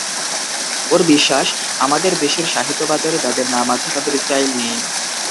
ওর বিশ্বাস, আমাদের দেশের সাহিত্যবাজারে যাদের নাম আছে তাদের স্টাইল নেই।